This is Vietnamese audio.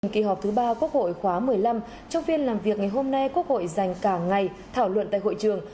kỳ họp thứ ba quốc hội khóa một mươi năm trong phiên làm việc ngày hôm nay quốc hội dành cả ngày thảo luận tại hội trường